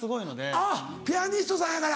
あっピアニストさんやから。